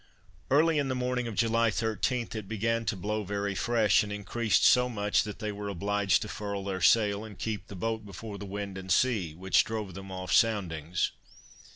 Early in the morning of July 13, it began to blow very fresh, and increased so much, that they were obliged to furl their sail, and keep the boat before the wind and sea, which drove them off soundings.